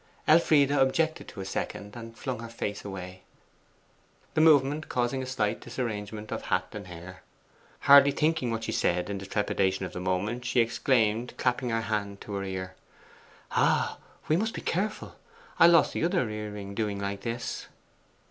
Elfride objected to a second, and flung away her face, the movement causing a slight disarrangement of hat and hair. Hardly thinking what she said in the trepidation of the moment, she exclaimed, clapping her hand to her ear 'Ah, we must be careful! I lost the other earring doing like this.